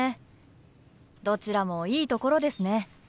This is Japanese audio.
どちらもいいところですね。